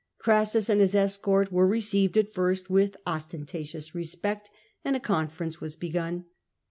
Crassus and his escort were received at first with ostentatious respect, and a con ference was begun.